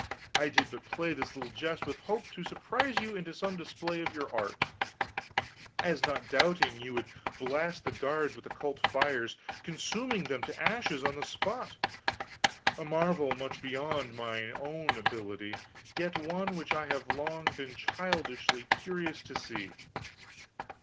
I did but play this little jest with hope to surprise you into some display of your art, as not doubting you would blast the guards with occult fires, consuming them to ashes on the spot, a marvel much beyond mine own ability, yet one which I have long been childishly curious to see."